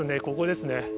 ここですね。